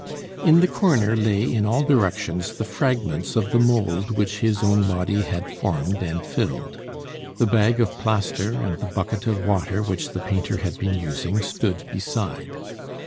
In the corner lay in all directions the fragments of the mould which his own body had formed and filled. The bag of plaster and the bucket of water which the painter had been using stood beside.